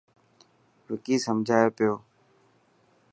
وڪي سمجهائي پيو.